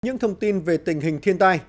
những thông tin về tình hình thiên tai